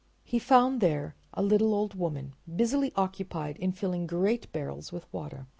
He found there a little old woman busily occupied in filling great barrels with water.